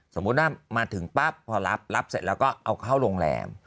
สมมุติว่ามาถึงปั๊บพอรับรับเสร็จแล้วก็เอาเข้าโรงแรม